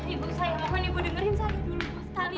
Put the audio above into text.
ibu saya mohon ibu dengerin saya dulu